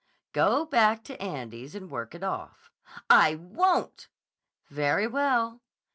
"Go back to Andy's and work it off." "I wont!" "Very well."